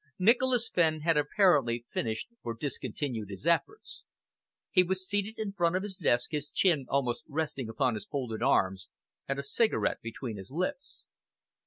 Nicholas Fenn had apparently finished or discontinued his efforts. He was seated in front of his desk, his chin almost resting upon his folded arms, and a cigarette between his lips.